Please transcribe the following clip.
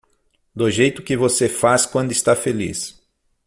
Do jeito que você faz quando está feliz.